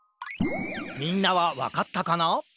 みんなはわかったかな？